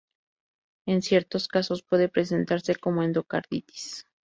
En ciertos casos, puede presentarse como endocarditis.